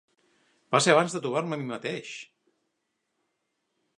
Va ser abans de trobar-me a mi mateix!